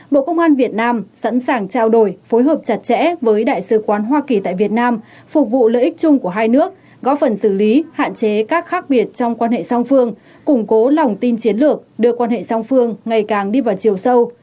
bộ công an việt nam sẵn sàng trao đổi phối hợp chặt chẽ với đại sứ quán hoa kỳ tại việt nam phục vụ lợi ích chung của hai nước góp phần xử lý hạn chế các khác biệt trong quan hệ song phương củng cố lòng tin chiến lược đưa quan hệ song phương ngày càng đi vào chiều sâu